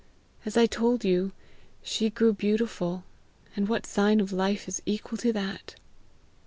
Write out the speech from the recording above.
As I told you, she grew beautiful, and what sign of life is equal to that!"